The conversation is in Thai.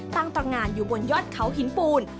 ตั้งตรงานอยู่บนยอดเขาหินปูน